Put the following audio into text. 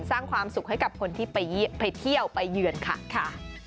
สร้างความสุขให้กับคนที่ไปเที่ยวไปเยือนค่ะ